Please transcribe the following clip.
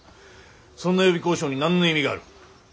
そんな予備交渉に何の意味がある？